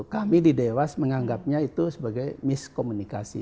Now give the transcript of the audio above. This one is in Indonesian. kami di dewas menganggapnya itu sebagai miskomunikasi